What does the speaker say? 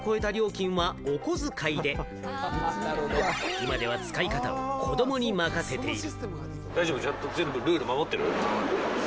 今では使い方を子供に任せている。